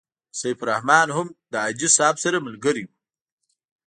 سیف الرحمن هم له حاجي صاحب سره ملګری وو.